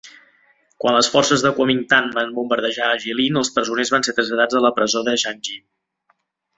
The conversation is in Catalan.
Quan les forces de Kuomingtang van bombardejar Jilin, els presoners van ser traslladats a la presó de Yanji.